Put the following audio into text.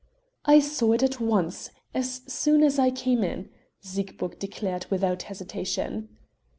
"I saw it at once as soon as I came in," Siegburg declared without hesitation.